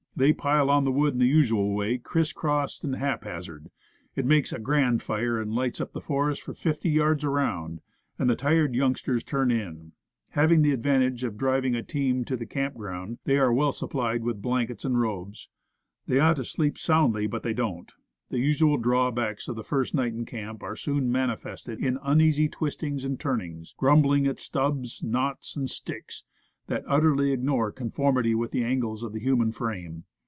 They pile on the wood in the usual way, criss cross and hap hazard. It makes a grand fire, that lights up the forest for fifty yards around, and the tired youngsters turn in. Having the advantage The First Night. 77 of driving a team to the camping ground, they are well supplied with blankets and robes. They ought to sleep soundly, but they don't. The usual draw backs of a first night in camp are soon manifested in uneasy twistings and turnings, grumbling at stubs, knots, and sticks, that utterly ignore conformity with the angles of the human frame.